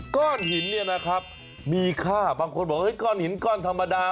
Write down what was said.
ก้อนหินเนี่ยนะครับมีค่าบางคนบอกก้อนหินก้อนธรรมดา